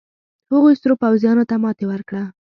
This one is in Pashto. هغوې سرو پوځيانو ته ماتې ورکړه.